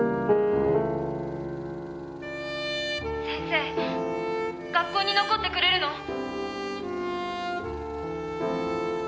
「先生学校に残ってくれるの？」